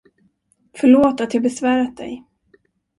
Förlåt att jag besvärat dig.